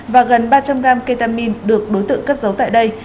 và gần ba trăm linh gram ketamin được đối tượng cất giấu tại đây